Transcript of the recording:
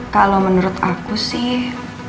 kalau menurut aku sih